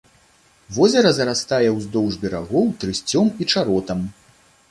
Возера зарастае ўздоўж берагоў трысцём і чаротам.